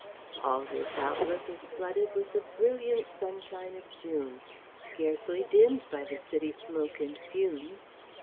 All this outlook is flooded with the brilliant sunshine of June, scarcely dimmed by the city smoke and fumes.